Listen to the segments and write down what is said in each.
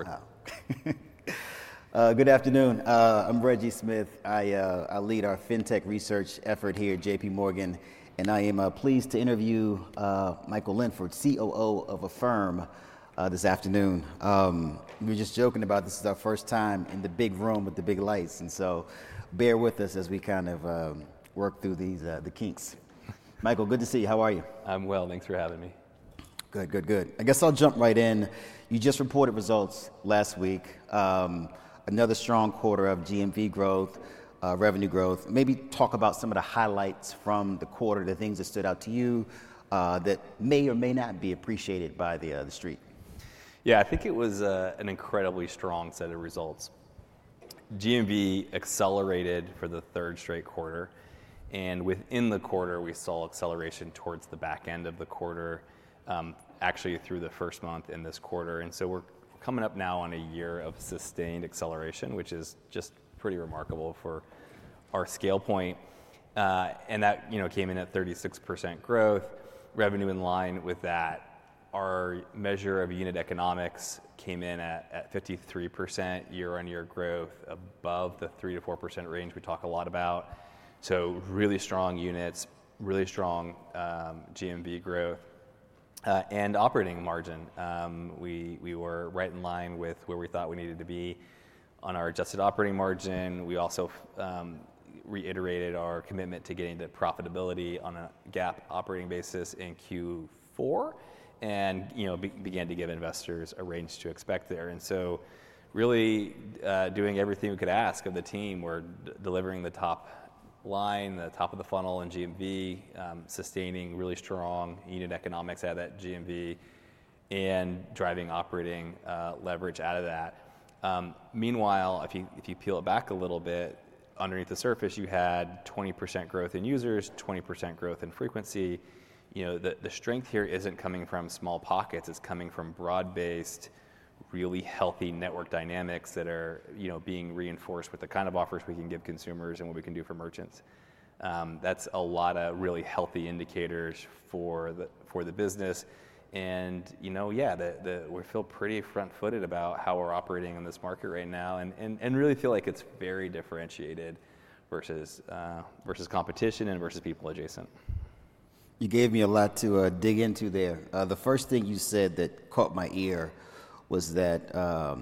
Or not. Good afternoon. I'm Reggie Smith. I lead our Fintech Research effort here at JPMorgan, and I am pleased to interview Michael Linford, COO of Affirm, this afternoon. We were just joking about this is our first time in the big room with the big lights, and so bear with us as we kind of work through the kinks. Michael, good to see you. How are you? I'm well. Thanks for having me. Good, good, good. I guess I'll jump right in. You just reported results last week. Another strong quarter of GMV growth, revenue growth. Maybe talk about some of the highlights from the quarter, the things that stood out to you that may or may not be appreciated by the street. Yeah, I think it was an incredibly strong set of results. GMV accelerated for the third straight quarter, and within the quarter, we saw acceleration towards the back end of the quarter, actually through the first month in this quarter. We are coming up now on a year of sustained acceleration, which is just pretty remarkable for our scale point. That came in at 36% growth. Revenue in line with that. Our measure of unit economics came in at 53% year-on-year growth, above the 3%-4% range we talk a lot about. Really strong units, really strong GMV growth, and operating margin. We were right in line with where we thought we needed to be on our adjusted operating margin. We also reiterated our commitment to getting to profitability on a GAAP operating basis in Q4 and began to give investors a range to expect there. Really doing everything we could ask of the team. We're delivering the top line, the top of the funnel in GMV, sustaining really strong unit economics out of that GMV, and driving operating leverage out of that. Meanwhile, if you peel it back a little bit, underneath the surface, you had 20% growth in users, 20% growth in frequency. The strength here isn't coming from small pockets. It's coming from broad-based, really healthy network dynamics that are being reinforced with the kind of offers we can give consumers and what we can do for merchants. That's a lot of really healthy indicators for the business. Yeah, we feel pretty front-footed about how we're operating in this market right now and really feel like it's very differentiated versus competition and versus people adjacent. You gave me a lot to dig into there. The first thing you said that caught my ear was that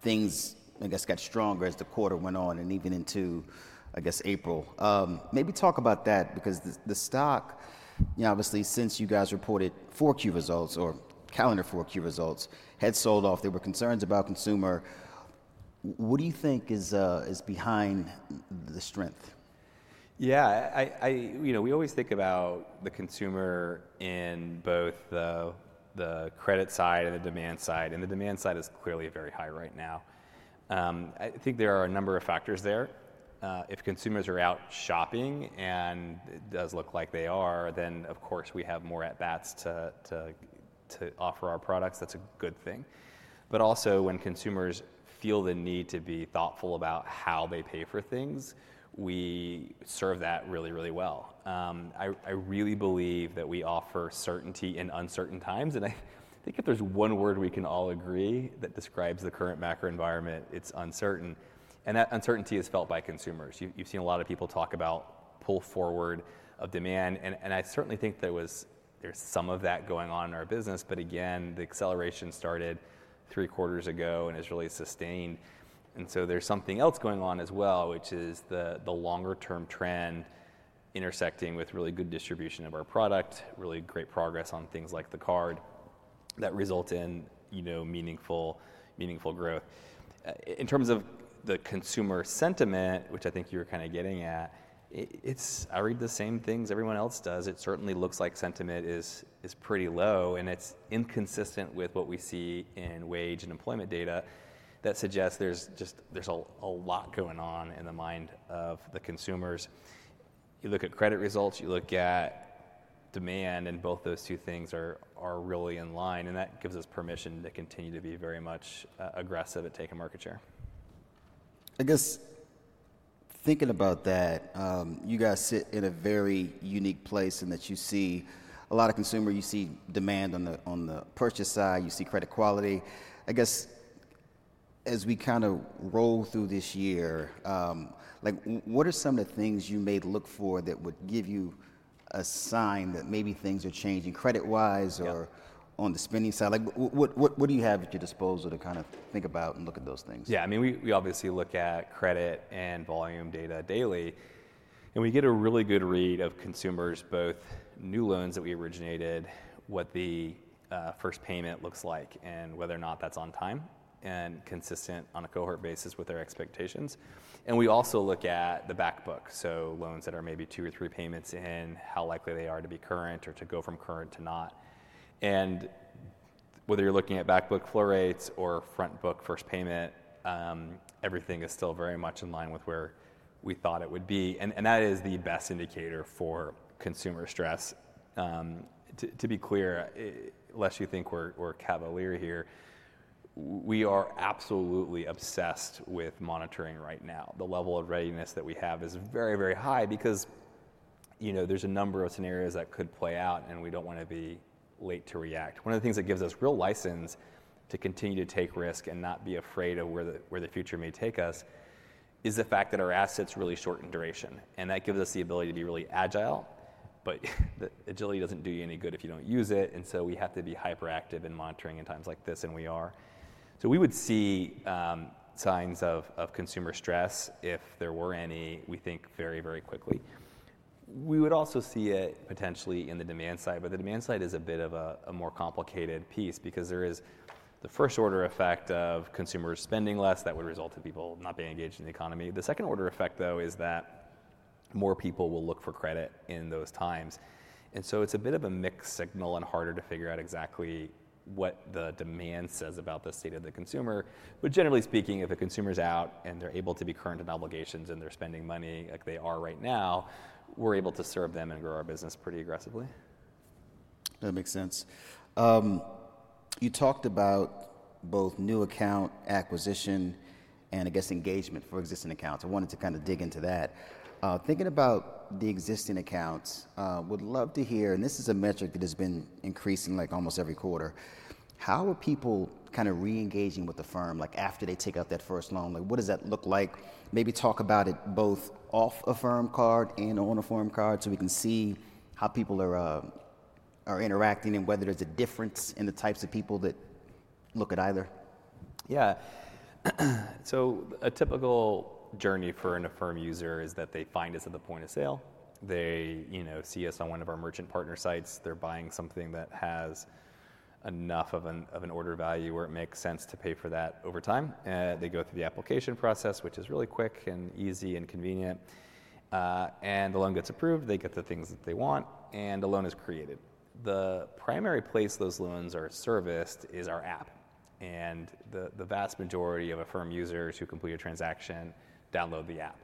things, I guess, got stronger as the quarter went on and even into, I guess, April. Maybe talk about that, because the stock, obviously, since you guys reported Q4 results or calendar Q4 results, had sold off. There were concerns about consumer. What do you think is behind the strength? Yeah, we always think about the consumer in both the credit side and the demand side. The demand side is clearly very high right now. I think there are a number of factors there. If consumers are out shopping and it does look like they are, then, of course, we have more at-bats to offer our products. That's a good thing. Also, when consumers feel the need to be thoughtful about how they pay for things, we serve that really, really well. I really believe that we offer certainty in uncertain times. I think if there's one word we can all agree that describes the current macro environment, it's uncertain. That uncertainty is felt by consumers. You've seen a lot of people talk about pull forward of demand. I certainly think there's some of that going on in our business. The acceleration started three quarters ago and has really sustained. There is something else going on as well, which is the longer-term trend intersecting with really good distribution of our product, really great progress on things like the card that result in meaningful growth. In terms of the consumer sentiment, which I think you were kind of getting at, I read the same things everyone else does. It certainly looks like sentiment is pretty low, and it is inconsistent with what we see in wage and employment data that suggests there is a lot going on in the mind of the consumers. You look at credit results, you look at demand, and both those two things are really in line. That gives us permission to continue to be very much aggressive at taking market share. I guess thinking about that, you guys sit in a very unique place in that you see a lot of consumer. You see demand on the purchase side. You see credit quality. I guess as we kind of roll through this year, what are some of the things you may look for that would give you a sign that maybe things are changing credit-wise or on the spending side? What do you have at your disposal to kind of think about and look at those things? Yeah, I mean, we obviously look at credit and volume data daily. We get a really good read of consumers, both new loans that we originated, what the first payment looks like, and whether or not that's on time and consistent on a cohort basis with their expectations. We also look at the back book, so loans that are maybe two or three payments in, how likely they are to be current or to go from current to not. Whether you're looking at back book flow rates or front book first payment, everything is still very much in line with where we thought it would be. That is the best indicator for consumer stress. To be clear, unless you think we're cavalier here, we are absolutely obsessed with monitoring right now. The level of readiness that we have is very, very high because there's a number of scenarios that could play out, and we don't want to be late to react. One of the things that gives us real license to continue to take risk and not be afraid of where the future may take us is the fact that our assets really shorten duration. That gives us the ability to be really agile, but agility doesn't do you any good if you don't use it. We have to be hyperactive in monitoring in times like this, and we are. We would see signs of consumer stress, if there were any, we think very, very quickly. We would also see it potentially in the demand side. The demand side is a bit of a more complicated piece because there is the first-order effect of consumers spending less that would result in people not being engaged in the economy. The second-order effect, though, is that more people will look for credit in those times. It is a bit of a mixed signal and harder to figure out exactly what the demand says about the state of the consumer. Generally speaking, if a consumer is out and they are able to be current on obligations and they are spending money like they are right now, we are able to serve them and grow our business pretty aggressively. That makes sense. You talked about both new account acquisition and, I guess, engagement for existing accounts. I wanted to kind of dig into that. Thinking about the existing accounts, would love to hear, and this is a metric that has been increasing almost every quarter, how are people kind of reengaging with Affirm after they take out that first loan? What does that look like? Maybe talk about it both off Affirm Card and on Affirm Card so we can see how people are interacting and whether there's a difference in the types of people that look at either. Yeah, so a typical journey for an Affirm user is that they find us at the point of sale. They see us on one of our merchant partner sites. They're buying something that has enough of an order value where it makes sense to pay for that over time. They go through the application process, which is really quick and easy and convenient. The loan gets approved. They get the things that they want, and the loan is created. The primary place those loans are serviced is our app. The vast majority of Affirm users who complete a transaction download the app.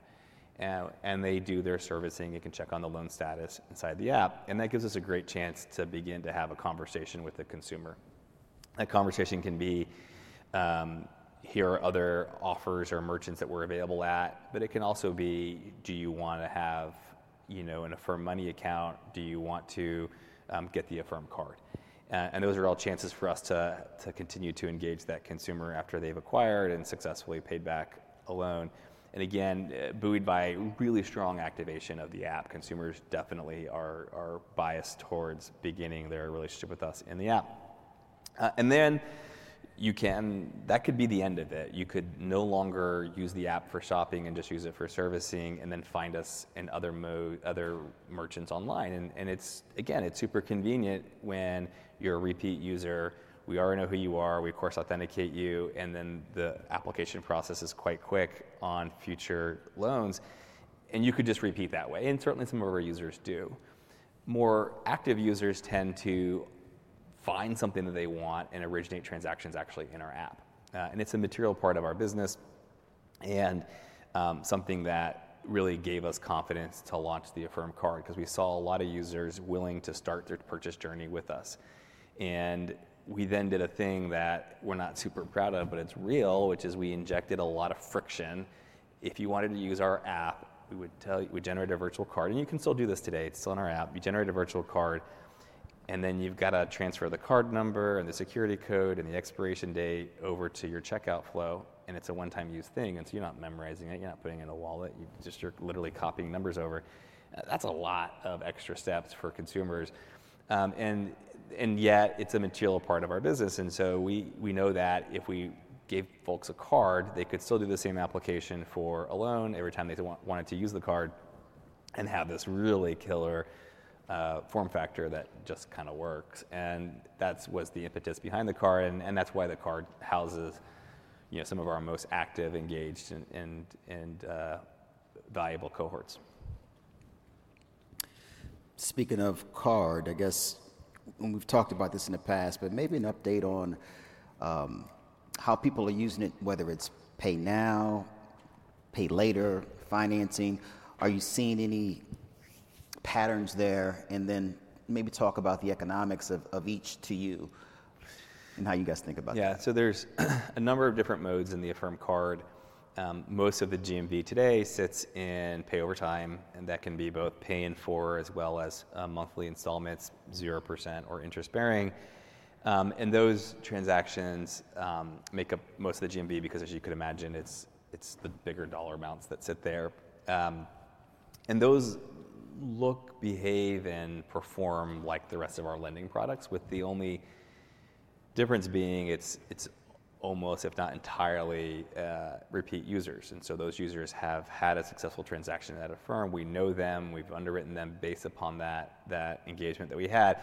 They do their servicing. They can check on the loan status inside the app. That gives us a great chance to begin to have a conversation with the consumer. That conversation can be, "Here are other offers or merchants that we're available at." It can also be, "Do you want to have an Affirm Money Account? Do you want to get the Affirm Card?" Those are all chances for us to continue to engage that consumer after they've acquired and successfully paid back a loan. Again, buoyed by really strong activation of the app, consumers definitely are biased towards beginning their relationship with us in the app. That could be the end of it. You could no longer use the app for shopping and just use it for servicing and then find us in other merchants online. Again, it's super convenient when you're a repeat user. We already know who you are. We, of course, authenticate you. The application process is quite quick on future loans. You could just repeat that way. Certainly, some of our users do. More active users tend to find something that they want and originate transactions actually in our app. It is a material part of our business and something that really gave us confidence to launch the Affirm Card because we saw a lot of users willing to start their purchase journey with us. We then did a thing that we are not super proud of, but it is real, which is we injected a lot of friction. If you wanted to use our app, we generate a virtual card. You can still do this today. It is still in our app. You generate a virtual card, and then you have to transfer the card number and the security code and the expiration date over to your checkout flow. It is a one-time use thing. You're not memorizing it. You're not putting it in a wallet. You're just literally copying numbers over. That's a lot of extra steps for consumers. Yet, it's a material part of our business. We know that if we gave folks a card, they could still do the same application for a loan every time they wanted to use the card and have this really killer form factor that just kind of works. That was the impetus behind the card. That's why the card houses some of our most active, engaged, and valuable cohorts. Speaking of card, I guess we've talked about this in the past, but maybe an update on how people are using it, whether it's pay now, pay later, financing. Are you seeing any patterns there? Maybe talk about the economics of each to you and how you guys think about that. Yeah, so there's a number of different modes in the Affirm Card. Most of the GMV today sits in pay over time. That can be both pay in full as well as monthly installments, 0% or interest bearing. Those transactions make up most of the GMV because, as you could imagine, it's the bigger dollar amounts that sit there. Those look, behave, and perform like the rest of our lending products, with the only difference being it's almost, if not entirely, repeat users. Those users have had a successful transaction at Affirm. We know them. We've underwritten them based upon that engagement that we had.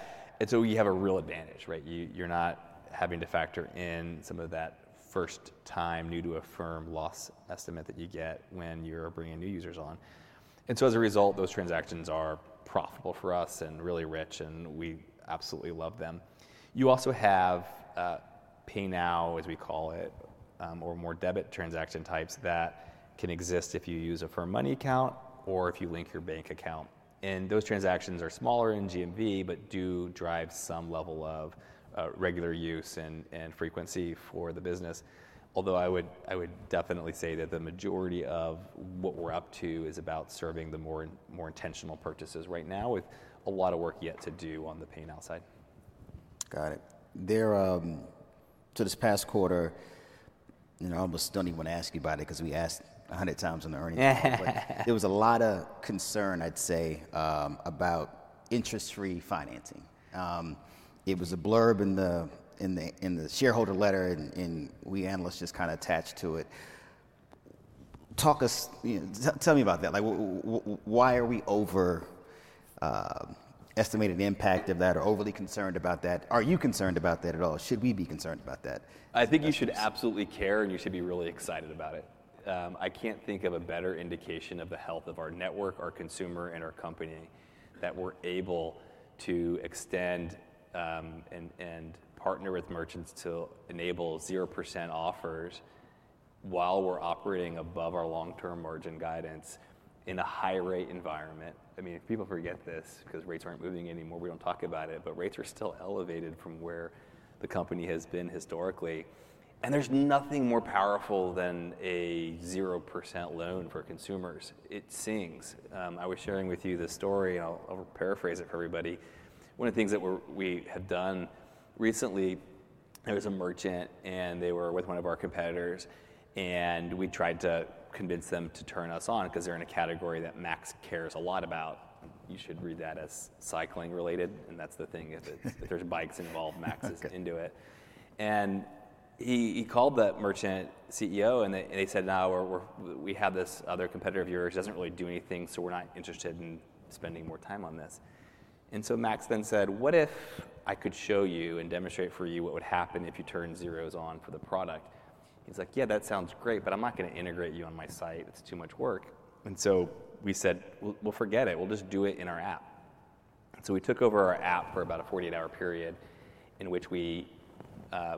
You have a real advantage. You're not having to factor in some of that first-time new-to-Affirm loss estimate that you get when you're bringing new users on. As a result, those transactions are profitable for us and really rich, and we absolutely love them. You also have pay now, as we call it, or more debit transaction types that can exist if you use an Affirm Money Account or if you link your bank account. Those transactions are smaller in GMV but do drive some level of regular use and frequency for the business, although I would definitely say that the majority of what we are up to is about serving the more intentional purchases right now with a lot of work yet to do on the pay now side. Got it. This past quarter, I almost do not even want to ask you about it because we asked 100 times on the earnings call. There was a lot of concern, I would say, about interest-free financing. It was a blurb in the shareholder letter, and we analysts just kind of attached to it. Tell me about that. Why are we overestimating the impact of that or overly concerned about that? Are you concerned about that at all? Should we be concerned about that? I think you should absolutely care, and you should be really excited about it. I can't think of a better indication of the health of our network, our consumer, and our company that we're able to extend and partner with merchants to enable 0% offers while we're operating above our long-term margin guidance in a high-rate environment. I mean, people forget this because rates aren't moving anymore. We don't talk about it. Rates are still elevated from where the company has been historically. There is nothing more powerful than a 0% loan for consumers. It sings. I was sharing with you this story. I'll paraphrase it for everybody. One of the things that we have done recently, there was a merchant, and they were with one of our competitors. We tried to convince them to turn us on because they're in a category that Max cares a lot about. You should read that as cycling-related. That's the thing. If there's bikes involved, Max is into it. He called the merchant CEO, and they said, "Now, we have this other competitor of yours. He doesn't really do anything, so we're not interested in spending more time on this." Max then said, "What if I could show you and demonstrate for you what would happen if you turned zeros on for the product?" He's like, "Yeah, that sounds great, but I'm not going to integrate you on my site. It's too much work." We said, "We'll forget it. We'll just do it in our app." We took over our app for about a 48-hour period in which we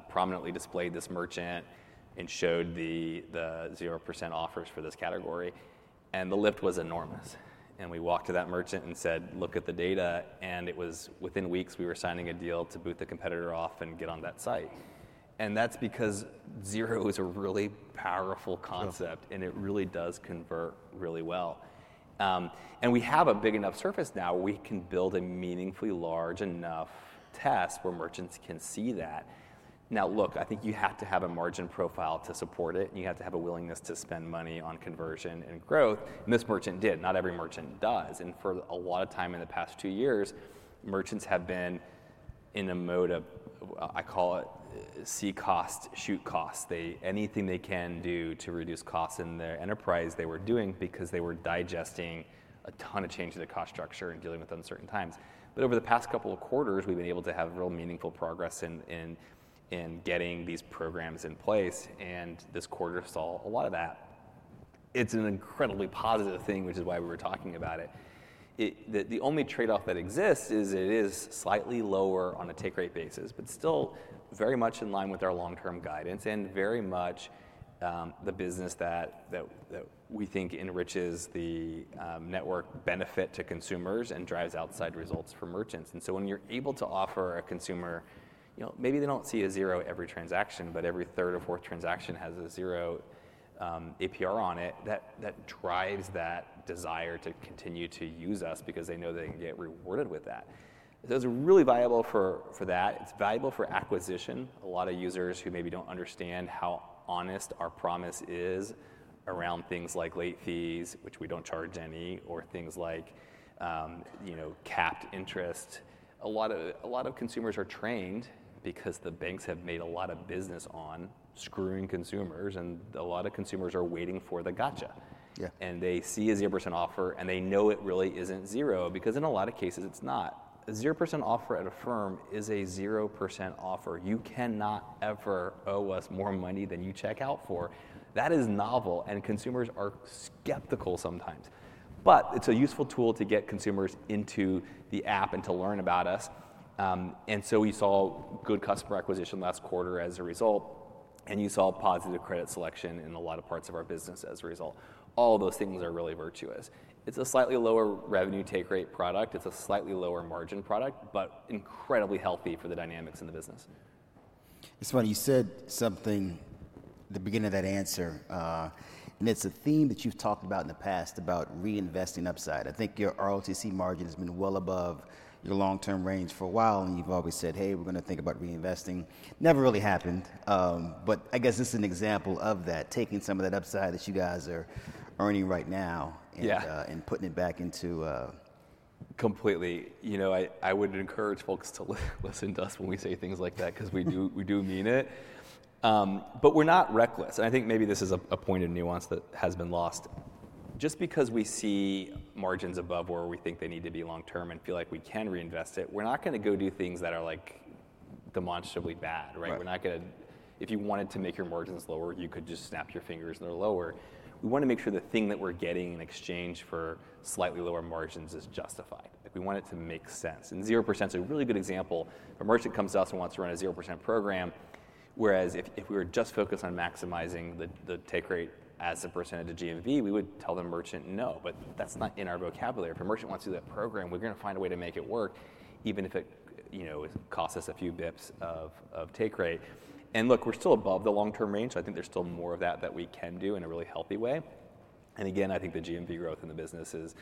prominently displayed this merchant and showed the 0% offers for this category. The lift was enormous. We walked to that merchant and said, "Look at the data." Within weeks, we were signing a deal to boot the competitor off and get on that site. That is because zero is a really powerful concept, and it really does convert really well. We have a big enough surface now. We can build a meaningfully large enough test where merchants can see that. Now, look, I think you have to have a margin profile to support it. You have to have a willingness to spend money on conversion and growth. This merchant did. Not every merchant does. For a lot of time in the past two years, merchants have been in a mode of, I call it, see cost, shoot cost. Anything they can do to reduce costs in their enterprise, they were doing because they were digesting a ton of changes in cost structure and dealing with uncertain times. Over the past couple of quarters, we've been able to have real meaningful progress in getting these programs in place. This quarter saw a lot of that. It's an incredibly positive thing, which is why we were talking about it. The only trade-off that exists is it is slightly lower on a take-rate basis, but still very much in line with our long-term guidance and very much the business that we think enriches the network benefit to consumers and drives outside results for merchants. When you're able to offer a consumer, maybe they don't see a zero every transaction, but every third or fourth transaction has a 0% APR on it, that drives that desire to continue to use us because they know they can get rewarded with that. It's really viable for that. It's valuable for acquisition. A lot of users who maybe don't understand how honest our promise is around things like late fees, which we don't charge any, or things like capped interest. A lot of consumers are trained because the banks have made a lot of business on screwing consumers. A lot of consumers are waiting for the gotcha. They see a 0% offer, and they know it really isn't zero because in a lot of cases, it's not. A 0% offer at Affirm is a 0% offer. You cannot ever owe us more money than you check out for. That is novel. Consumers are skeptical sometimes. It is a useful tool to get consumers into the app and to learn about us. We saw good customer acquisition last quarter as a result. You saw positive credit selection in a lot of parts of our business as a result. All of those things are really virtuous. It is a slightly lower revenue take-rate product. It is a slightly lower margin product, but incredibly healthy for the dynamics in the business. It's funny. You said something at the beginning of that answer. It's a theme that you've talked about in the past about reinvesting upside. I think your ROTC margin has been well above your long-term range for a while. You've always said, "Hey, we're going to think about reinvesting." Never really happened. I guess this is an example of that, taking some of that upside that you guys are earning right now and putting it back in. Completely. I would encourage folks to listen to us when we say things like that because we do mean it. We are not reckless. I think maybe this is a point of nuance that has been lost. Just because we see margins above where we think they need to be long-term and feel like we can reinvest it, we are not going to go do things that are demonstrably bad. If you wanted to make your margins lower, you could just snap your fingers and they are lower. We want to make sure the thing that we are getting in exchange for slightly lower margins is justified. We want it to make sense. 0% is a really good example. A merchant comes to us and wants to run a 0% program, whereas if we were just focused on maximizing the take-rate as a percentage of GMV, we would tell the merchant, "No." That is not in our vocabulary. If a merchant wants to do that program, we are going to find a way to make it work, even if it costs us a few basis points of take-rate. Look, we are still above the long-term range. I think there is still more of that that we can do in a really healthy way. I think the GMV growth in the business is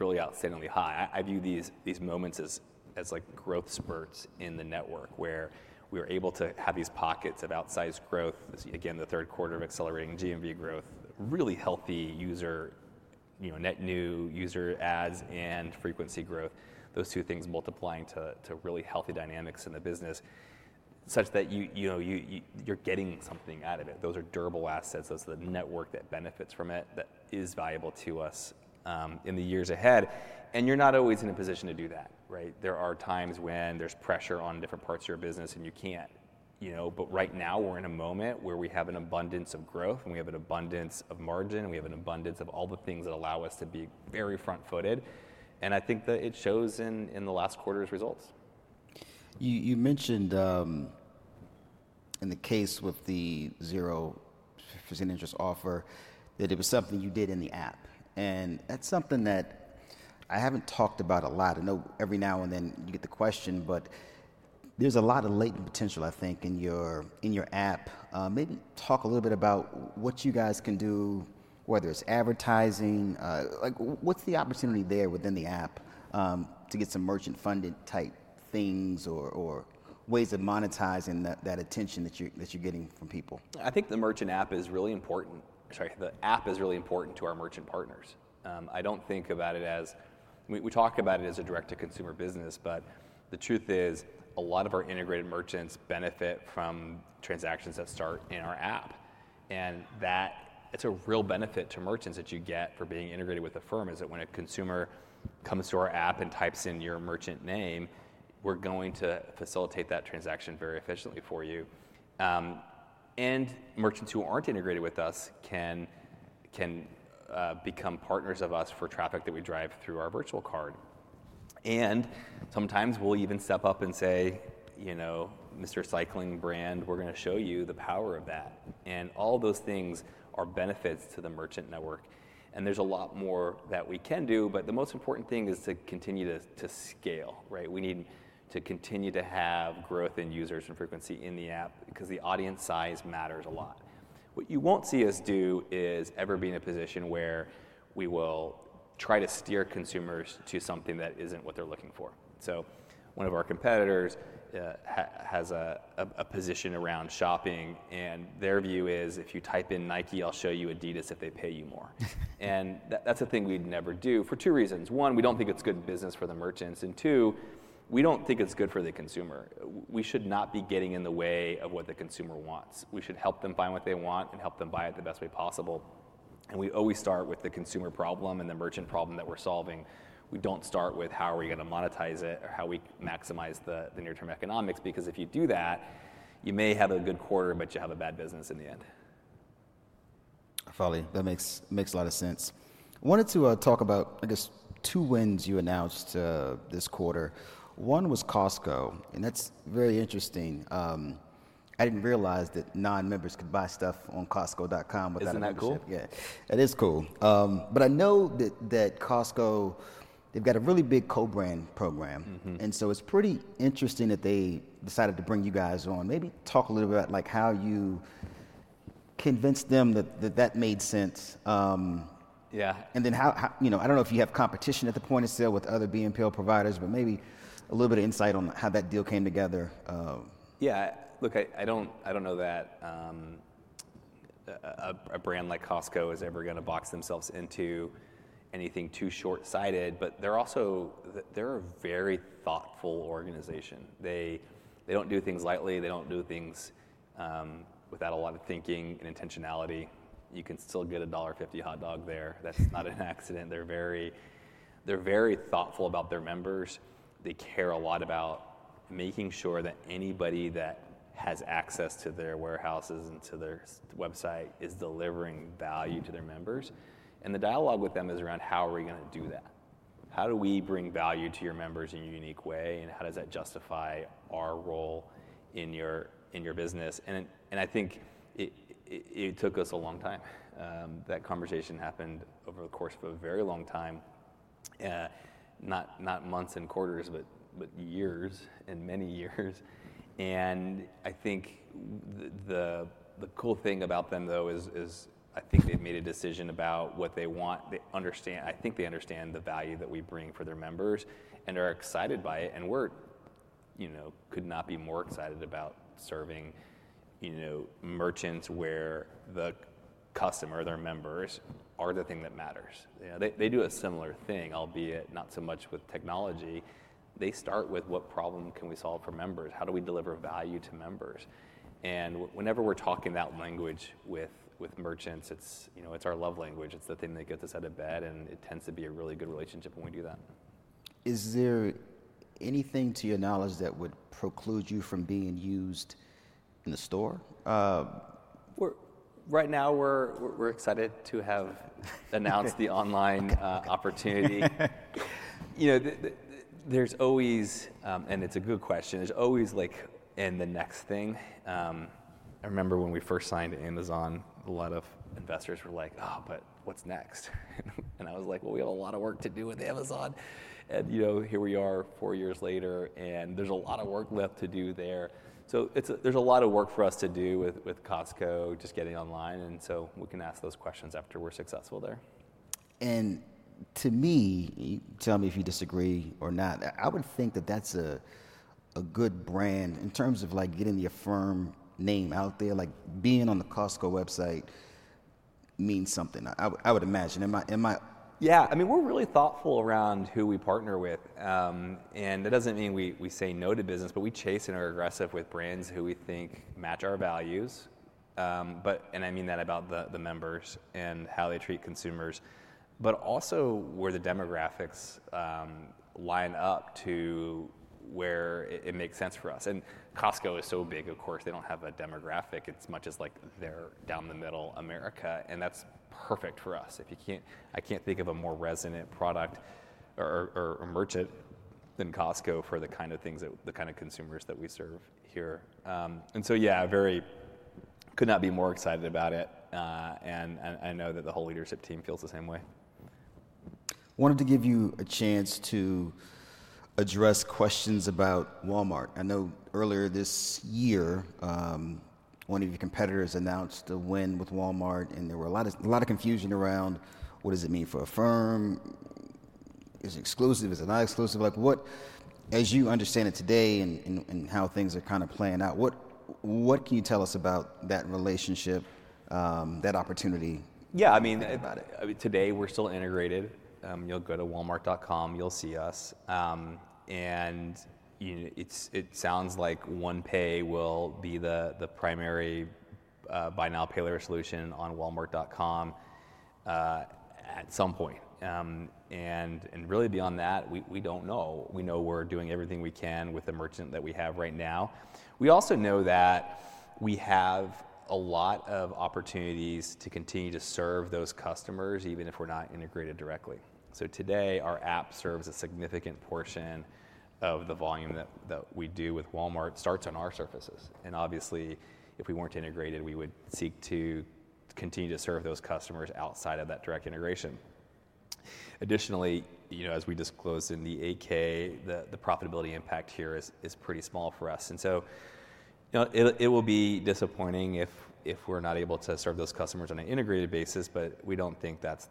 really outstandingly high. I view these moments as growth spurts in the network where we were able to have these pockets of outsized growth. Again, the third quarter of accelerating GMV growth, really healthy user, net new user ads and frequency growth, those two things multiplying to really healthy dynamics in the business such that you're getting something out of it. Those are durable assets. That's the network that benefits from it that is valuable to us in the years ahead. You're not always in a position to do that. There are times when there's pressure on different parts of your business, and you can't. Right now, we're in a moment where we have an abundance of growth, and we have an abundance of margin, and we have an abundance of all the things that allow us to be very front-footed. I think that it shows in the last quarter's results. You mentioned in the case with the 0% interest offer that it was something you did in the app. That's something that I haven't talked about a lot. I know every now and then you get the question, but there's a lot of latent potential, I think, in your app. Maybe talk a little bit about what you guys can do, whether it's advertising. What's the opportunity there within the app to get some merchant-funded type things or ways of monetizing that attention that you're getting from people? I think the merchant app is really important. Sorry, the app is really important to our merchant partners. I don't think about it as we talk about it as a direct-to-consumer business, but the truth is a lot of our integrated merchants benefit from transactions that start in our app. That's a real benefit to merchants that you get for being integrated with Affirm is that when a consumer comes to our app and types in your merchant name, we're going to facilitate that transaction very efficiently for you. Merchants who aren't integrated with us can become partners of us for traffic that we drive through our virtual card. Sometimes we'll even step up and say, "Mr. Cycling Brand, we're going to show you the power of that." All those things are benefits to the merchant network. There's a lot more that we can do. The most important thing is to continue to scale. We need to continue to have growth in users and frequency in the app because the audience size matters a lot. What you will not see us do is ever be in a position where we will try to steer consumers to something that is not what they are looking for. One of our competitors has a position around shopping. Their view is, "If you type in Nike, I will show you Adidas if they pay you more." That is a thing we would never do for two reasons. One, we do not think it is good business for the merchants. Two, we do not think it is good for the consumer. We should not be getting in the way of what the consumer wants. We should help them find what they want and help them buy it the best way possible. We always start with the consumer problem and the merchant problem that we're solving. We don't start with how are we going to monetize it or how we maximize the near-term economics because if you do that, you may have a good quarter, but you have a bad business in the end. Finally, that makes a lot of sense. I wanted to talk about, I guess, two wins you announced this quarter. One was Costco. And that's very interesting. I didn't realize that non-members could buy stuff on Costco.com without a membership. Isn't that cool? Yeah. That is cool. I know that Costco, they've got a really big co-brand program. It is pretty interesting that they decided to bring you guys on. Maybe talk a little bit about how you convinced them that that made sense. Yeah. I don't know if you have competition at the point of sale with other BNPL providers, but maybe a little bit of insight on how that deal came together. Yeah. Look, I don't know that a brand like Costco is ever going to box themselves into anything too short-sighted. They're a very thoughtful organization. They don't do things lightly. They don't do things without a lot of thinking and intentionality. You can still get a $1.50 hot dog there. That's not an accident. They're very thoughtful about their members. They care a lot about making sure that anybody that has access to their warehouses and to their website is delivering value to their members. The dialogue with them is around how are we going to do that? How do we bring value to your members in a unique way? How does that justify our role in your business? I think it took us a long time. That conversation happened over the course of a very long time, not months and quarters, but years and many years. I think the cool thing about them, though, is I think they've made a decision about what they want. I think they understand the value that we bring for their members and are excited by it. We could not be more excited about serving merchants where the customer, their members, are the thing that matters. They do a similar thing, albeit not so much with technology. They start with what problem can we solve for members? How do we deliver value to members? Whenever we're talking that language with merchants, it's our love language. It's the thing that gets us out of bed. It tends to be a really good relationship when we do that. Is there anything to your knowledge that would preclude you from being used in the store? Right now, we're excited to have announced the online opportunity. There's always, and it's a good question, there's always like the next thing. I remember when we first signed to Amazon, a lot of investors were like, "Oh, but what's next?" I was like, "Well, we have a lot of work to do with Amazon." Here we are four years later. There's a lot of work left to do there. There's a lot of work for us to do with Costco, just getting online. We can ask those questions after we're successful there. To me, tell me if you disagree or not, I would think that that's a good brand in terms of getting the Affirm name out there. Being on the Costco website means something, I would imagine. Am I? Yeah. I mean, we're really thoughtful around who we partner with. That doesn't mean we say no to business, but we chase and are aggressive with brands who we think match our values. I mean that about the members and how they treat consumers, but also where the demographics line up to where it makes sense for us. Costco is so big, of course. They don't have a demographic as much as they're down the middle America. That's perfect for us. I can't think of a more resonant product or merchant than Costco for the kind of things, the kind of consumers that we serve here. Yeah, I could not be more excited about it. I know that the whole leadership team feels the same way. I wanted to give you a chance to address questions about Walmart. I know earlier this year, one of your competitors announced a win with Walmart. There was a lot of confusion around what does it mean for Affirm? Is it exclusive? Is it not exclusive? As you understand it today and how things are kind of playing out, what can you tell us about that relationship, that opportunity? Yeah. I mean, today, we're still integrated. You'll go to walmart.com. You'll see us. It sounds like OnePay will be the primary buy now, pay later solution on walmart.com at some point. Really beyond that, we don't know. We know we're doing everything we can with the merchant that we have right now. We also know that we have a lot of opportunities to continue to serve those customers, even if we're not integrated directly. Today, our app serves a significant portion of the volume that we do with Walmart starts on our services. Obviously, if we weren't integrated, we would seek to continue to serve those customers outside of that direct integration. Additionally, as we disclosed in the 8K, the profitability impact here is pretty small for us. It will be disappointing if we're not able to serve those customers on an integrated basis, but we don't think that's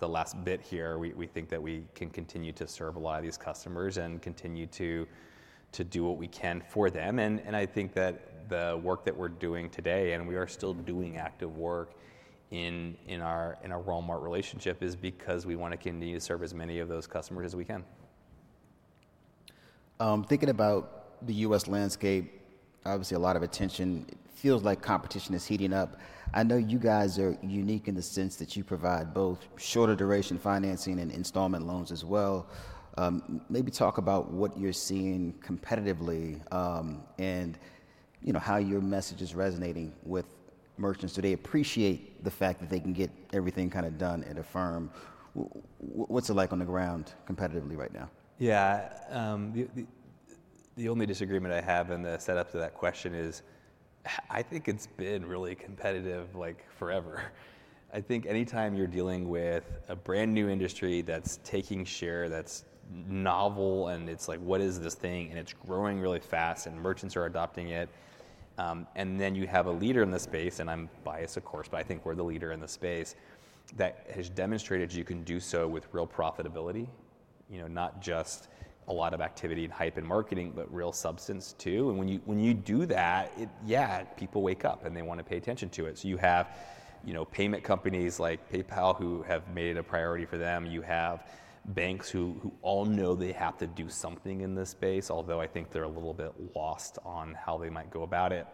the last bit here. We think that we can continue to serve a lot of these customers and continue to do what we can for them. I think that the work that we're doing today, and we are still doing active work in our Walmart relationship, is because we want to continue to serve as many of those customers as we can. Thinking about the U.S. landscape, obviously a lot of attention. It feels like competition is heating up. I know you guys are unique in the sense that you provide both shorter-duration financing and installment loans as well. Maybe talk about what you're seeing competitively and how your message is resonating with merchants today. Appreciate the fact that they can get everything kind of done at Affirm. What's it like on the ground competitively right now? Yeah. The only disagreement I have in the setup to that question is I think it's been really competitive forever. I think anytime you're dealing with a brand new industry that's taking share, that's novel, and it's like, "What is this thing?" It's growing really fast, and merchants are adopting it. You have a leader in the space, and I'm biased, of course, but I think we're the leader in the space that has demonstrated you can do so with real profitability, not just a lot of activity and hype and marketing, but real substance too. When you do that, yeah, people wake up, and they want to pay attention to it. You have payment companies like PayPal who have made it a priority for them. You have banks who all know they have to do something in this space, although I think they're a little bit lost on how they might go about it.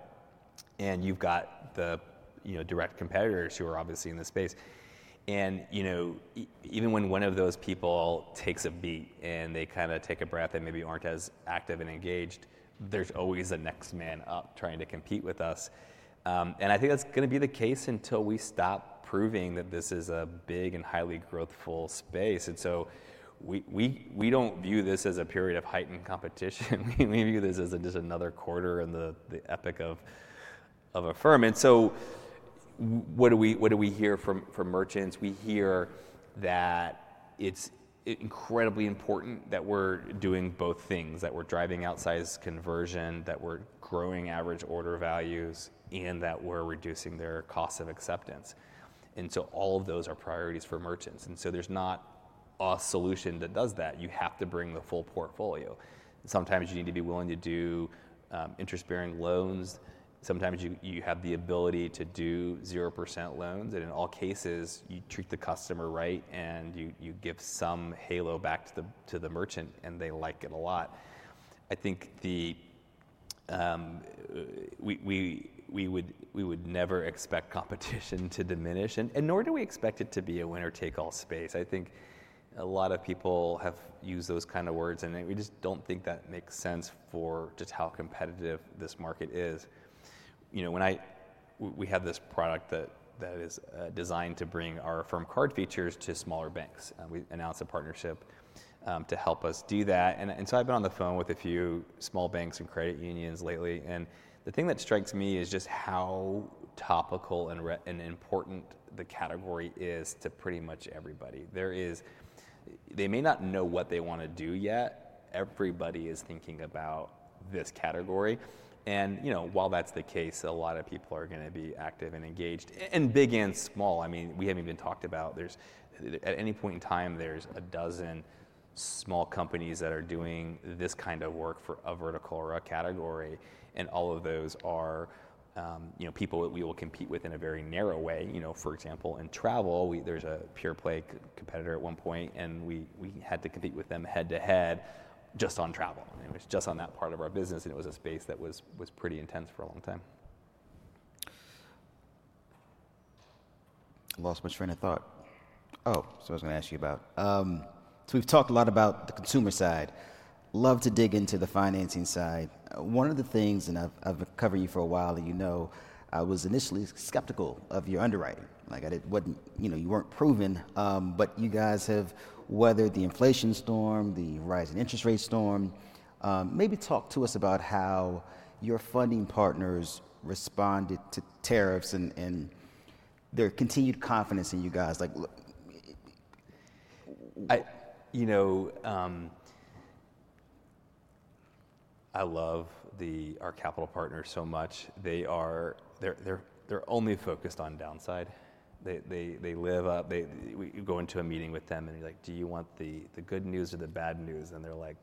You have the direct competitors who are obviously in this space. Even when one of those people takes a beat and they kind of take a breath and maybe aren't as active and engaged, there's always a next man up trying to compete with us. I think that's going to be the case until we stop proving that this is a big and highly growthful space. We don't view this as a period of heightened competition. We view this as just another quarter in the epoch of Affirm. What do we hear from merchants? We hear that it's incredibly important that we're doing both things, that we're driving outsized conversion, that we're growing average order values, and that we're reducing their cost of acceptance. All of those are priorities for merchants. There's not a solution that does that. You have to bring the full portfolio. Sometimes you need to be willing to do interest-bearing loans. Sometimes you have the ability to do 0% loans. In all cases, you treat the customer right, and you give some halo back to the merchant, and they like it a lot. I think we would never expect competition to diminish, nor do we expect it to be a winner-take-all space. I think a lot of people have used those kind of words, and we just don't think that makes sense for just how competitive this market is. We have this product that is designed to bring our Affirm Card features to smaller banks. We announced a partnership to help us do that. I have been on the phone with a few small banks and credit unions lately. The thing that strikes me is just how topical and important the category is to pretty much everybody. They may not know what they want to do yet. Everybody is thinking about this category. While that is the case, a lot of people are going to be active and engaged, big and small. I mean, we have not even talked about at any point in time, there is a dozen small companies that are doing this kind of work for a vertical or a category. All of those are people that we will compete with in a very narrow way. For example, in travel, there's a pure play competitor at one point, and we had to compete with them head-to-head just on travel. It was just on that part of our business, and it was a space that was pretty intense for a long time. I lost my train of thought. Oh, I was going to ask you about. We've talked a lot about the consumer side. Love to dig into the financing side. One of the things, and I've covered you for a while, and you know I was initially skeptical of your underwriting. You weren't proven, but you guys have weathered the inflation storm, the rising interest rate storm. Maybe talk to us about how your funding partners responded to tariffs and their continued confidence in you guys. I love our capital partners so much. They're only focused on downside. We go into a meeting with them, and we're like, "Do you want the good news or the bad news?" They're like,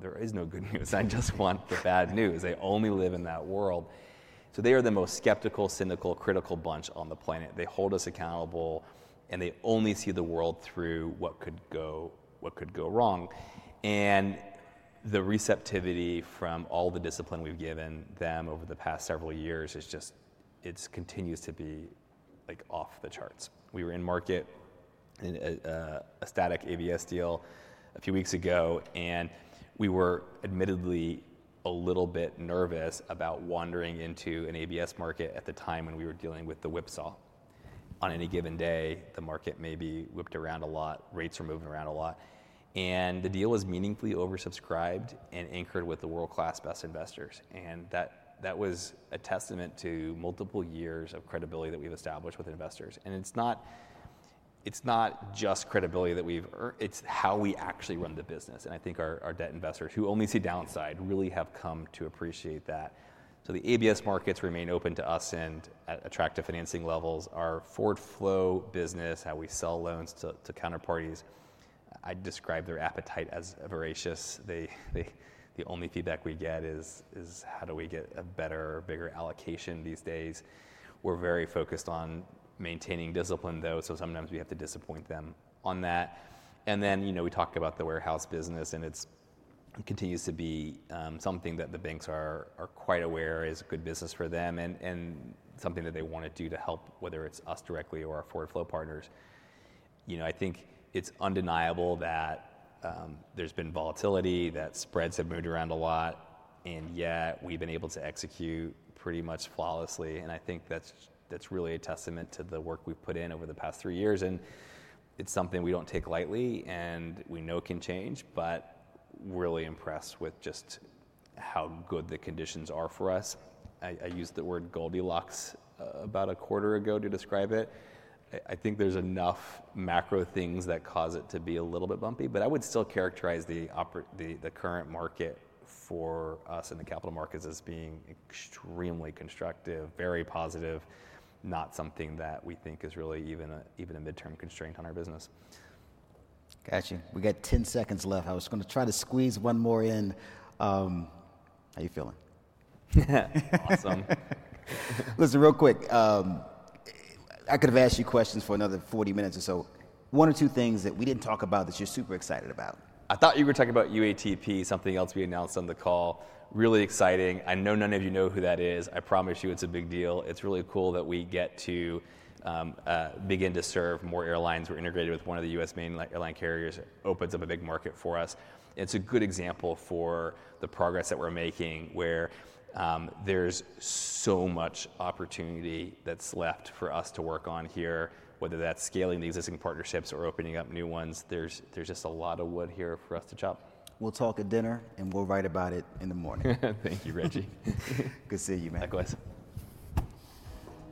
"There is no good news. I just want the bad news." They only live in that world. They are the most skeptical, cynical, critical bunch on the planet. They hold us accountable, and they only see the world through what could go wrong. The receptivity from all the discipline we've given them over the past several years is just it continues to be off the charts. We were in market in a static ABS deal a few weeks ago, and we were admittedly a little bit nervous about wandering into an ABS market at the time when we were dealing with the whipsaw. On any given day, the market may be whipped around a lot. Rates are moving around a lot. The deal was meaningfully oversubscribed and anchored with the world-class best investors. That was a testament to multiple years of credibility that we've established with investors. It's not just credibility that we've earned. It's how we actually run the business. I think our debt investors, who only see downside, really have come to appreciate that. The ABS markets remain open to us and attract to financing levels. Our forward flow business, how we sell loans to counterparties, I describe their appetite as voracious. The only feedback we get is, "How do we get a better, bigger allocation these days?" We're very focused on maintaining discipline, though, so sometimes we have to disappoint them on that. We talked about the warehouse business, and it continues to be something that the banks are quite aware is a good business for them and something that they want to do to help, whether it's us directly or our forward flow partners. I think it's undeniable that there's been volatility, that spreads have moved around a lot, and yet we've been able to execute pretty much flawlessly. I think that's really a testament to the work we've put in over the past three years. It's something we don't take lightly, and we know can change, but we're really impressed with just how good the conditions are for us. I used the word Goldilocks about a quarter ago to describe it. I think there's enough macro things that cause it to be a little bit bumpy, but I would still characterize the current market for us in the capital markets as being extremely constructive, very positive, not something that we think is really even a midterm constraint on our business. Gotcha. We got 10 seconds left. I was going to try to squeeze one more in. How are you feeling? Awesome. Listen, real quick, I could have asked you questions for another 40 minutes or so. One or two things that we didn't talk about that you're super excited about. I thought you were talking about UATP, something else we announced on the call. Really exciting. I know none of you know who that is. I promise you it's a big deal. It's really cool that we get to begin to serve more airlines. We're integrated with one of the US main airline carriers. It opens up a big market for us. It's a good example for the progress that we're making where there's so much opportunity that's left for us to work on here, whether that's scaling the existing partnerships or opening up new ones. There's just a lot of wood here for us to chop. We'll talk at dinner, and we'll write about it in the morning. Thank you, Reggie. Good to see you, man. Likewise.